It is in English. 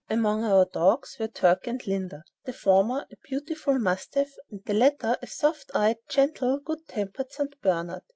Among our dogs were "Turk" and "Linda," the former a beautiful mastiff and the latter a soft eyed, gentle, good tempered St. Bernard.